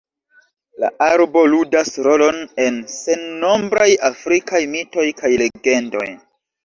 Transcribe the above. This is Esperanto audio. La arbo ludas rolon en sennombraj afrikaj mitoj kaj legendoj.